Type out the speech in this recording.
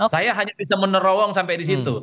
saya hanya bisa menerowong sampai di situ